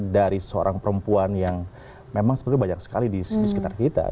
dari seorang perempuan yang memang sebetulnya banyak sekali di sekitar kita